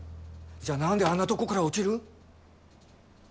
じゃあ何であんなとこから落ちる。